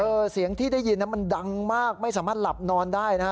เสียงที่ได้ยินมันดังมากไม่สามารถหลับนอนได้นะฮะ